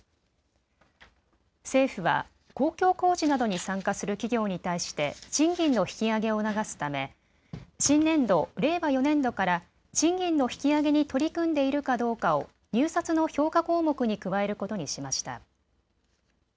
政府は公共工事などに参加する企業に対して賃金の引き上げを促すため、新年度・令和４年度から賃金の引き上げに取り組んでいるかどうかを入札の評価項目に加えることにしました。